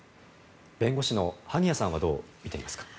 弁護士の萩谷さんはどう見ていますか。